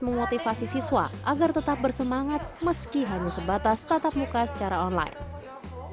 memotivasi siswa agar tetap bersemangat meski hanya sebatas tatap muka secara online